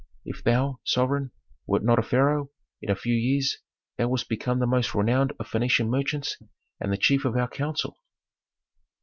If thou, sovereign, wert not a pharaoh, in a few years thou wouldst become the most renowned of Phœnician merchants and the chief of our council."